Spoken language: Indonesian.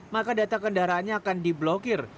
maka data kendaraannya akan diblokir